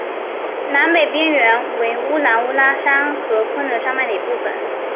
南北边缘为乌兰乌拉山和昆仑山脉的一部分。